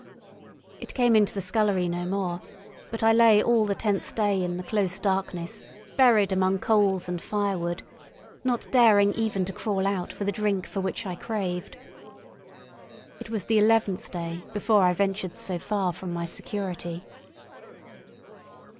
It came into the scullery no more; but I lay all the tenth day in the close darkness, buried among coals and firewood, not daring even to crawl out for the drink for which I craved. It was the eleventh day before I ventured so far from my security.